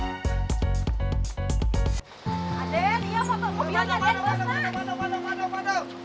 ya bak bandung bang